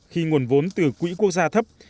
khi nguồn vốn từ quỹ quốc gia thấp